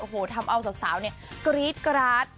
โอ้โหทำเอาสาวเนี่ยกรี๊ดกราด